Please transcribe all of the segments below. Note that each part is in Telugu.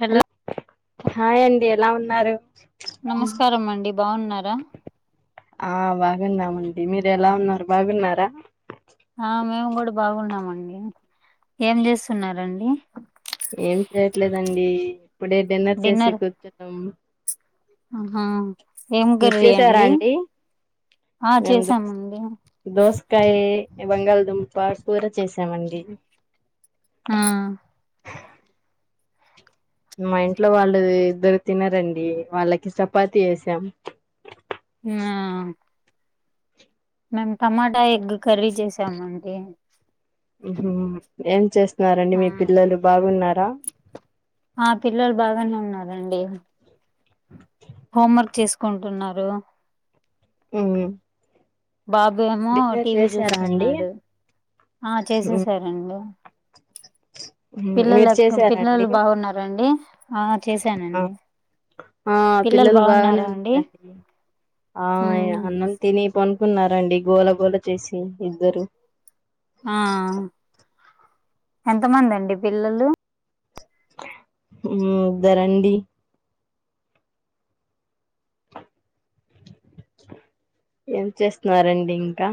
హలో హాయ్ అండి ఎలా ఉన్నారు నమస్కారం అండి బాగున్నారు రా ఆ బాగున్నామండి మీరు ఎలా ఉన్నారు బాగున్నారా ఆ మేము కూడా బాగున్నామండి ఏం చేస్తున్నరండి ఏం చేయట్లేదండి ఇప్పుడే డిన్నర్ చేసి కూర్చున్నాం అహా మీరు చేసారా అండి ఆ ఎందు చేసామండి దోసకాయ బంగాల్దుమ్ ప కూర చేసామండి ఆ మా ఇంట్లో వాళ్ళు ఇద్దరు తిన్నారండి వాళ్ళకి చపాతి చేసాం ఆ మేము టమాటా ఎగ్ కర్రీ చేసామండి ఉ ఏం చేస్ తారండి ఆ మీ పిల్లలు బాగున్నారా అవునండి హోమ్ వర్క్ చేసుకుంటున్నారు ఉ బాబు ఏమో టీవీ అండి చూస్తున్నాడు ఆ ఉమ్, చేసేసారండి మీరు పిల్లలు చేసారా అండి పిల్లలు బాగున్నారండి ఆ చేశానండి ఆ పిల్లలు బాగానే బాగున్నారా అండి ఉన్నారండి ఆ ఉమ్ అన్నం తిని పన్ కున్నారండి గోల గోళ చేసి ఇద్దరు ఆ ఎంత మంది అండి పిల్లలు ఉ ఇద్దరండి ఏం చేస్తున్నారండి ఇంకా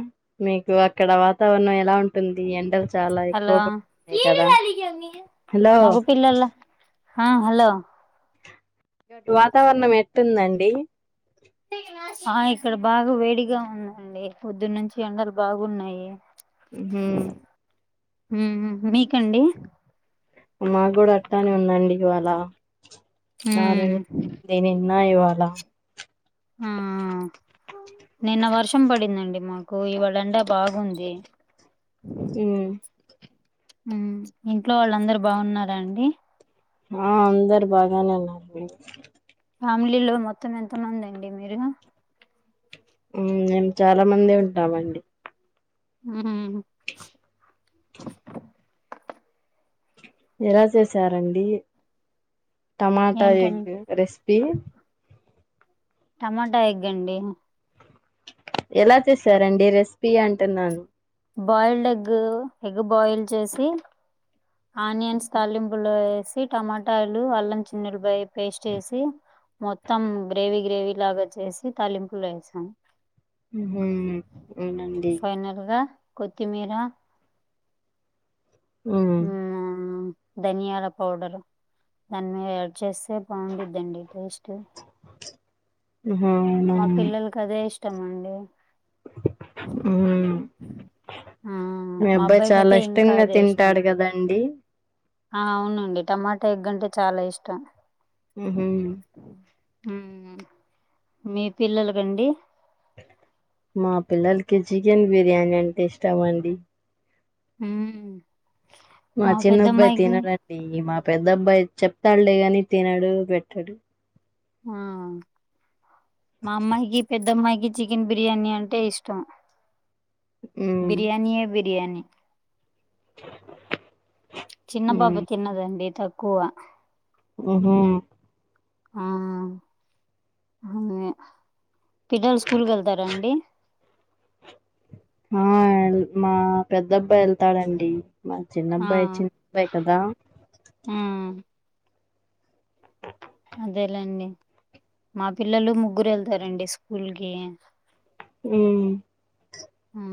మీకు అక్కడ వాతావరణం ఎలా ఉంటుంది ఎండ హలో హలో మగ పిల్లల హ హలో వాతావరణం ఎట్టుందండి ఆ ఇక్కడ బాగా వేడిగా ఉందండి పొద్దున్న నుంచి ఎండలు బాగున్నాయి ఉహు ఉ మీకండి మాకు కూడా అట్టానే ఉందండి ఇవాళ చాల ఉమ్ వేడే న్నా ఇవాళ ఆ నిన్న వర్షం పడిందండి మాకు ఇవాళ ఎండ బాగుంది ఉ ఇంట్లో వాళ్ళందరు బాగున్నారాండి ఆ అందరు బాగానే ఉన్నారండి ఫ్యామిలీలో మొత్తం ఎంత మంది అండి మీరు ఉ మేము చాలా మందే ఉంటామండి ఉ ఎలా చేసారండి టమాటా ఎగ్ ఏంటండి రెస్ పి టమాటా ఎగండి ఎలా చేసారండి రెసిపీ అంటున్నాను బాయిల్డ్ ఎగ్ ఎగ్ బాయిల్ చేసి ఆనియన్స్ తాలింపులు సి టమాటలు అల్లం చిన్న ఎల్లిపాయ పేస్ట్ ఏసి మొత్తం గ్రేవీ గ్రేవీ లాగా చేసి తాలింపులు వేసాం హు అవునండి ఫైనల్గా కొత్తిమీర ఆ మ్మ్, ధనియాల పౌడరు దాని మీద యాడ్ చేస్తే బాగుంటందండి టేస్ట్ ఆహా అవునా మా పిల్లలకదే ఇష్టం అండి ఉమ్ ఆ, మీ మా అబ్బాయి అబ్బాయికి చాలా అయితే ఇంకా ఇష్టంగా అదే ఇష్టం తింటాడు కదాండి ఆ అవునండి టమాటా ఎగ్ అంటే చాలా ఇష్టం ఉహు ఉమ్ మీ పిల్లలకండి మా పిల్లలకి చికెన్ బిర్యానీ అంటే ఇష్టమండి ఉ మా చిన్నబ్బాయి తినడండి మా పెద్ద అబ్బాయి చెప్తాడులే గాని తినడు పెట్టడు ఆ మా అమ్మాయికి పెద్దమ్మాయికి చికెన్ బిర్యానీ అంటే ఇష్టం ఉమ్ బిర్యానీయే బిర్యానీ చిన్న పాప ఉమ్ తిన్నదండి తక్కువ ఊహు ఆ అ పిల్లలు స్కూల్ కెళ్తారా అండి ఆ మా పెద్దబ్బాయి యెళ్తాడండీ మా ఆ చిన్నబ్బాయి చిన్నబ్బాయి కదా ఆ దేలేండి మా పిల్లలు ముగ్గురెళ్తారండి స్కూల్ కి ఉం ఉం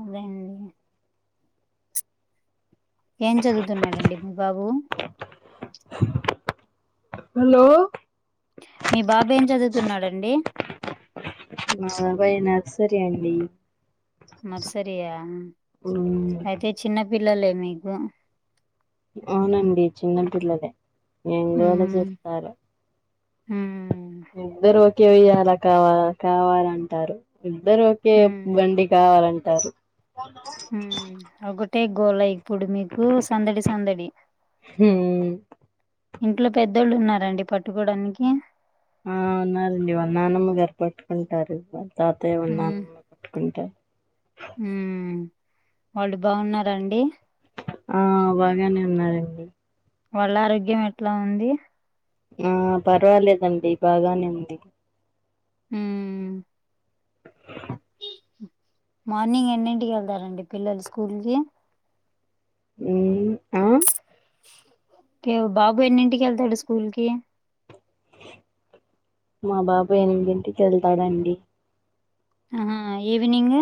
అదెండి ఏం చదువుతున్నారండి మీ బాబు హలో మీ బాబేమ్ చదువుతున్నాడండి సరే అండి నర్సరియా మ్మ్. అయితే చిన్నపిల్లలే మీకు అవునండి చిన్నపిల్లలే నేను గూడా చెప్పారు ఆ ఇద్దరు ఓకే ఉయ్యాల కావాల కావాలంటారు ఇద్దరొకే ఉమ్ బండి కావాలంటారు. ఉ ఒకటే గోల ప్పుడు మీకూ సందడి సందడి హ్మ్. ఇంట్లో పెద్దోళ్ళున్నారండి పట్టుకోడానికి ఆ ఉన్నారండి వాళ్ల నానమ్మ గారు పట్టుకుంటారు తాతయ్య హ్మ్. నానమ్మ పట్టుకుంటారు హ్మ్. వాళ్ళు బాగున్నారండి. ఆ బాగానే ఉన్నారండి వాళ్ళ ఆరోగ్యం ఎట్లా ఉంది. ఆ పర్వాలేదండి బాగానే ఉంది ఉ మార్నింగ్ ఎన్నింటికెళ్తారండి పిల్లలు స్కూల్ కి ఉ ఆ ఓకే బాబు ఎన్నింటికెళ్తాడు స్కూల్ కి మా బాబు ఎనిమిదింటికెళ్తాడండి ఆహా evening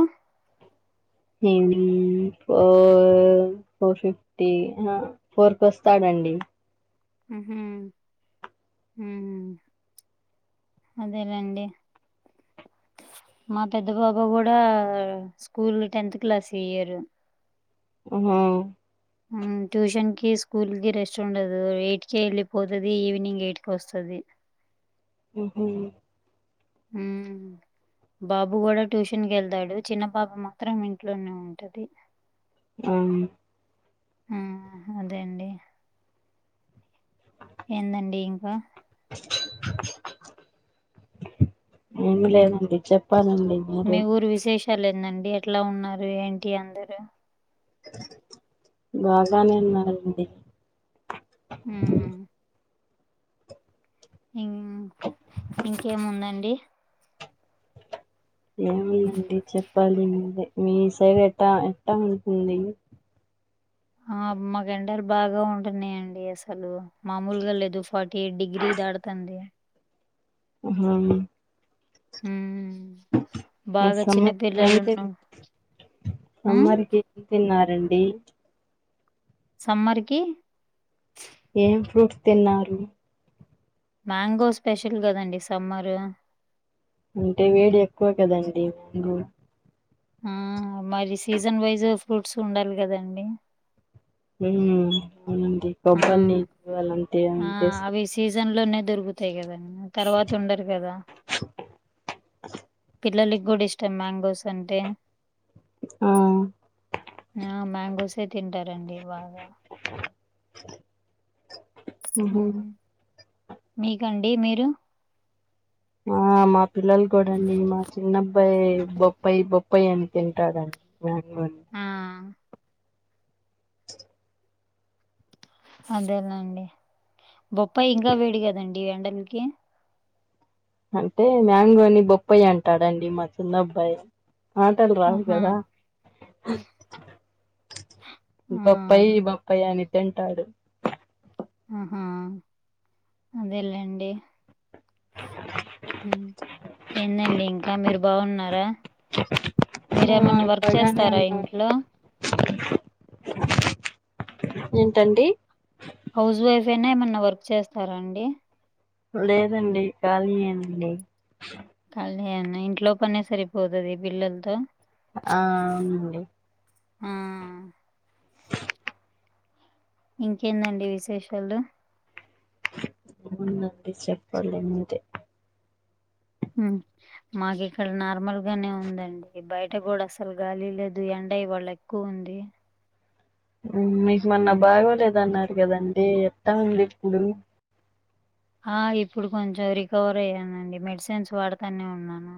evening four four fifty fork వస్తాడా అండీ ఆహా ఉం అదే లెండి మా పెద్ద బాబు కూడా స్కూల్ టెన్త్ క్లాస్ ఇ ఇయ్యరు ఆహా ఆ ట్యూషన్ కి స్కూల్ కి రెస్ట్ ఉండదు ఎయిట్ కి వెళ్ళిపోతది ఈవినింగ్ ఎయిట్ కి వస్తది. ఉ హు ఉం బాబు కూడా ట్యూషన్ కి వెళ్తాడు చిన్న పాప మాత్రం ఇంట్లోనే ఉంటది. ఆ ఆ అదే అండి ఏందండి ఇంకా ఏమి లేదండి చెప్పు చెప్పాలండి మీరే లేదండి ఎట్లా ఉన్నారు ఏంటి అందరూ బాగానే ఉన్నారండి ఉం ఇం ఇంకేముందండి ఏముందండి చెప్పాలి మీరే మీ సైడ్ ఎట్ట ఎట్ట ఉంటుంది ఆ మాకు ఎండలు బాగా ఉంటున్నాయండి అసలు మామూలుగా లేదు ఫార్టీ డిగ్రీ దాడుతంది ఆహా ఉం సమ్మంత హ్మ్. సమ్మర్కింత [unintelligible] రండి సమ్మర్కి ఏం ఫ్రూట్స్ తిన్నారు మ్యాంగో స్పెషల్ కదండి సమ్మరు అంటే వేడి ఎక్కువ కదండి మాంగో ఆ మరి సీజన్ వైజ్ ఫ్రూట్స్ ఉండాలి కదండి ఉం అవునండి కొబ్బరి నీళ్లు అలాంటి తీసు జన్ లోనే దొరుకుతాయి కదండి తర్వాత ఉండరు కదా పిల్లలకి గుడ ఇష్టం మ్యాంగోస్ అంటే ఆ ఆ మ్యాంగోసే తింటారండి బాగా ఆ ఉహు మీకండి మీరు ఆ మా పిల్లలు కూడా అండి మా చిన్నబ్బాయి బొబ్ప్పాయి బొప్ప అప్పయి ఆని తింటా డండి ఆ అదే నండి బొప్పాయి ఇంకా వేడి కదండి ఎండలకి అంటే మ్యాంగోని బొప్పాయి అంటాడండి మా చిన్నబ్బాయి మాటల్ రావు ఆహా కదా ఆ బప్పాయి బప్పయి అని తింటాడు ఆహా అదేలేండి ఉమ్. ఏందండి ఇంకా మీరు బాగున్నారా ఆ మీరేమన్నా వర్క్ బాగానే చేస్తారా ఉన్నాం ఇంట్లో ఏంటండి హౌస్ వైఫ్ అయినా ఏమన్నా వర్క్ చేస్తారాండి లేదండి కాలి ఏనండి కాలి నేనా ఇంట్లో పనే సరిపోతది పిల్లలతో ఆ అవునుడి ఆ ఇంకేందండి విశేషాలు మూ అడి చెప్పాలద మాకు ఇక్కడ నార్మల్ గానే ఉందండి బయట కూడా అసలు గాలి లేదు ఎం ఉండ ఇ వాళ్ళ ఎక్కువ ఉంది మీకు మన్న బాగోలేదన్నారు కదండి ఎంత ఉంది ఇప్పుడు ఆ ఇప్పుడు కొంచెం రికవర్ అయ్యానండి మెడిసిన్స్ వాడతానే ఉన్నాను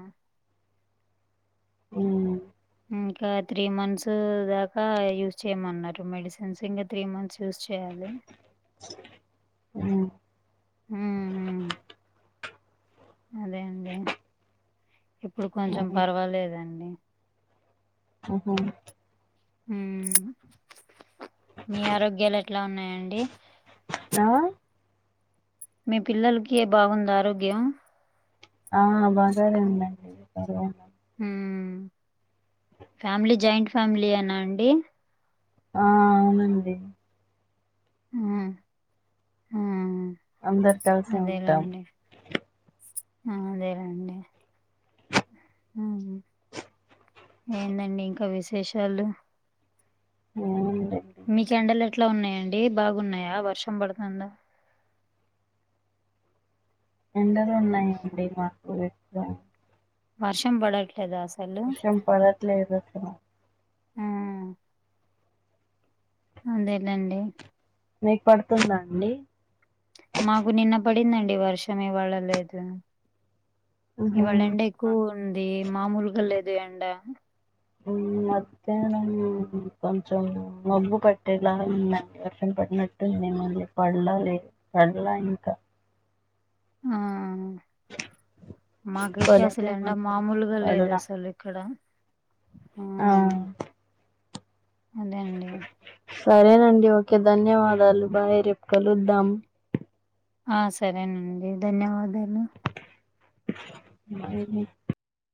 ఉమ్ ఉ ఇంకా త్రీ మంత్స్ దాకా యూస్ చేయమన్నారు మెడిసిన్స్ ఇంకా త్రీ మంత్స్ యూస్ చేయాలి అ హ అదే అండి ఇప్పుడు ఆ, కొంచెం పర్వాలేదండి హుహు హామ్ మీ ఆరోగ్యాలు ఎట్లా ఉన్నాయండి ఆ మీ పిల్లలకి ఏ బాగుందా ఆరోగ్యం ఆ బాగానే ఉందండి ఉ అ [unintelligible] హమ్ ఫ్యామిలీ జాయింట్ ఫ్యామిలీ యిన అండి ఆ అవునండి ఆ ఆ అందరు కలిసి ఉంటాం హమ్ అదేనండి ఏందండి ఇంకా విశేషాలు ఆమ్ మీకు ఎండలు ఎట్లా ఉన్నాయండి బాగున్నాయా వర్షం పడుతుందా ఎండలు ఉన్నాయండి మాకు కూడా ఎక్కువ వర్షం పడట్లేదా అసలు వర్షం పడట్లేదు ఆ అదేలెండి మీకు పడుతుంద అండి మాకు నిన్న పడిందండి వర్షం ఇవాళ లేదు ఉహు ఇవాళ ఎండ ఎక్కువగా ఉంది మామూలుగా లేదు ఎండ మధ్యానం కొంచెం మబు పట్టెలా ఉందండి వర్ష పట్టనట్టు ఉంది మళ్ళీ పడలా లే పడలా ఇంకా ఆ మాకు ఇటు అసలు పడదేమో ఎండా అనుకున్నా మామూలుగా లేదు పడలా అసలు ఇక్కడ ఆ అదే అండి సరేనండి ఓకే ధన్యవాదాలు బాయ్ రేపుకలుద్దాం ఆ సరేనండి ధన్యవాదాలు ఆ